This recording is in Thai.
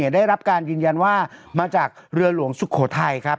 ได้รับการยืนยันว่ามาจากเรือหลวงสุโขทัยครับ